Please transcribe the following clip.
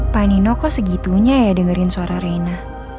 pak nino kok segitunya ya dengerin suara reina